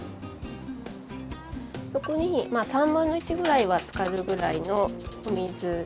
そこに３分の１ぐらいはつかるぐらいのお水入れます。